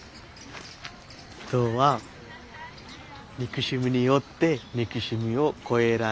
人は憎しみによって憎しみを越えられない。